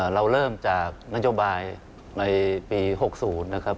เราเริ่มจากนโยบายในปี๖๐นะครับ